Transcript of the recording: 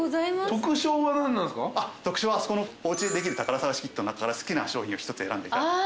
特賞はおうちでできる宝探しキットの中から好きな賞品を１つ選んでいただく。